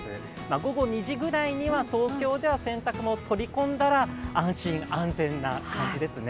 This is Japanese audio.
午後２時くらいには東京では洗濯物を取り込んだら安全・安心な感じですね。